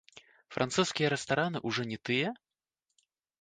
Французскія рэстараны ўжо не тыя?